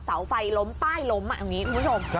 เสาไฟล้มป้ายล้มอย่างนี้คุณผู้ชม